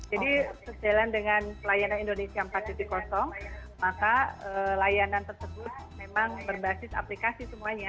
jadi setelah dengan layanan indonesia empat maka layanan tersebut memang berbasis aplikasi semuanya